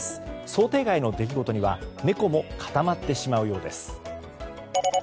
想定外の出来事には猫も固まってしまうようです。